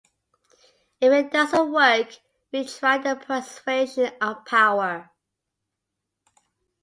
If it doesn't work, we try the persuasion of power.